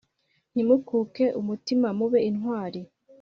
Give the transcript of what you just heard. ntimukuke umutima mube intwari